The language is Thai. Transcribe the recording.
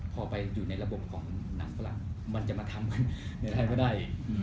พอไปอยู่ในระบบของหนังฝรั่งมันจะมาทำในท่านก็ได้